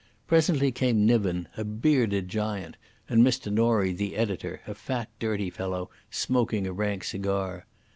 Presently came Niven, a bearded giant, and Mr Norie, the editor, a fat dirty fellow smoking a rank cigar.